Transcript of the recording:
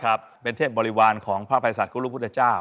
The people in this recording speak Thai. ครับเป็นเทพบริวารของพระภัยศักกรุพุทธเจ้า